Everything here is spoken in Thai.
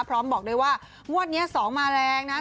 พร้อมบอกด้วยว่ามวดนี้สองมาแรงนะฮะ